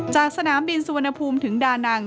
จากสนามบินสุวรรณภูมิถึงดานัง